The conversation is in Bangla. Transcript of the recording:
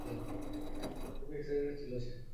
খুবই এক্সাইটেড ছিল সে।